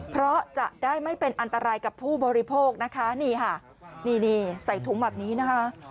เพราะจะได้ไม่เป็นอันตรายกับผู้บริโภคนะคะนี่ค่ะนี่นี่ใส่ถุงแบบนี้นะคะ